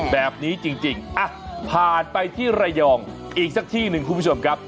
แบบนี้จริงผ่านไปที่ระยองอีกสักที่หนึ่งคุณผู้ชมครับ